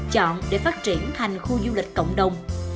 chọn để phát triển thành khu du lịch cộng đồng